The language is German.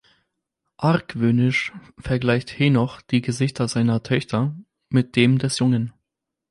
Argwöhnisch vergleicht Henoch die Gesichter seiner Töchter mit dem des Jungen.